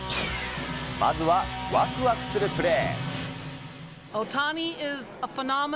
まずは、わくわくするプレー。